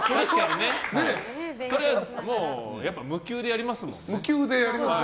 そりゃ無給でやりますもんね。